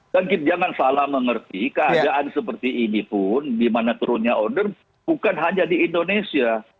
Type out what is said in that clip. dan jangan salah mengerti keadaan seperti ini pun di mana turunnya order bukan hanya di indonesia